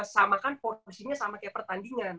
samakan posisinya sama kayak pertandingan